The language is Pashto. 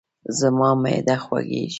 زما معده خوږیږي